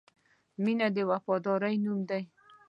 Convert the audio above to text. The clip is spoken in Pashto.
• مینه د وفادارۍ نوم دی.